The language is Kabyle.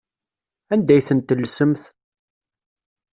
Anda ay tent-tellsemt?